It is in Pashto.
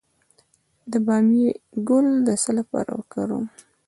د بامیې ګل د څه لپاره وکاروم؟